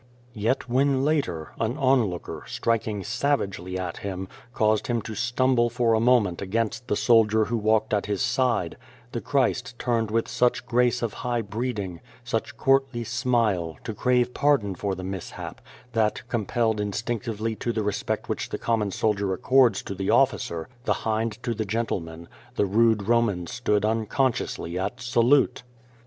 Yet when, later, an onlooker, striking savagely at Him, caused Him to stumble for a moment against the soldier who walked at His side, the Christ turned with such grace of high breeding, such courtly smile, to crave pardon for the mishap, that, compelled instinc tively to the respect which the common soldier accords to the officer, the hind to the gentle 136 Beyond the Door man, the rude Roman stood unconsciously at salute.